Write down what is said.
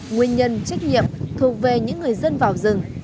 nguyên nhân trách nhiệm thuộc về những người dân vào rừng